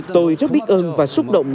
tôi rất biết ơn và xúc động